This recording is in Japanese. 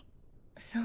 そう。